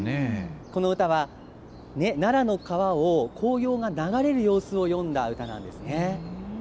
この歌は、奈良の川を紅葉が流れる様子を詠んだ歌なんですね。